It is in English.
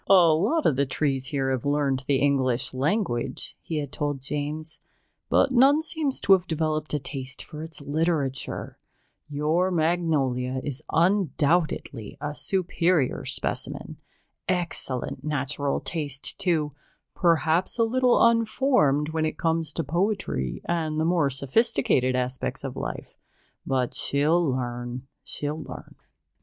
"A lot of the trees here have learned the English language," he had told James, "but none seems to have developed a taste for its literature. Your Magnolia is undoubtedly a superior specimen. Excellent natural taste, too perhaps a little unformed when it comes to poetry and the more sophisticated aspects of life, but she'll learn, she'll learn."